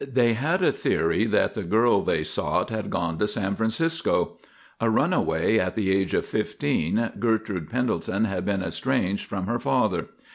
They had a theory that the girl they sought had gone to San Francisco. A runaway at the age of fifteen, Gertrude Pendelton had been estranged from her father.